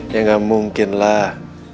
ya gak mungkin lah